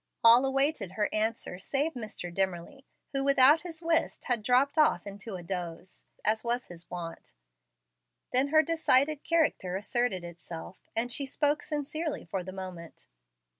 All awaited her answer save Mr. Dimmerly, who, without his whist, had dropped off into a doze, as was his wont. Then her decided character asserted itself, and she spoke sincerely for the moment.